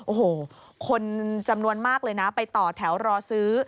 โอ้โหคนจำนวนมากเลยนะไปต่อแถวรอซื้อ